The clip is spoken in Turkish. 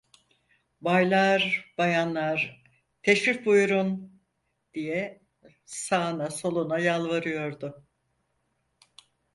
Baylar, bayanlar, teşrif buyurun! diye sağına soluna yalvarıyordu.